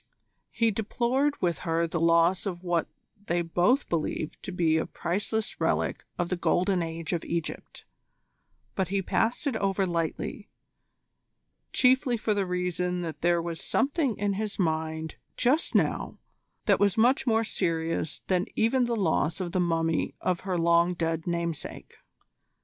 He deplored with her the loss of what they both believed to be a priceless relic of the Golden Age of Egypt, but he passed it over lightly, chiefly for the reason that there was something in his mind just now that was much more serious than even the loss of the mummy of her long dead namesake.